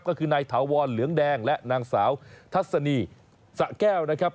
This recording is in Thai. ก็คือนายถาวรเหลืองแดงและนางสาวทัศนีสะแก้วนะครับ